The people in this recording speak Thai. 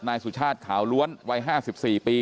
นายสุชาติขาวล้วนวัย๕๔ปี